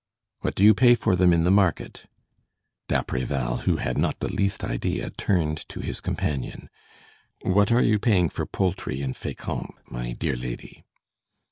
"What do you pay for them in the market?" D'Apreval, who had not the least idea, turned to his companion: "What are you paying for poultry in Fécamp, my dear lady?"